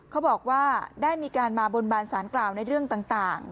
เขาบอกว่าได้มีการมาบนบานสารกล่าวในเรื่องต่าง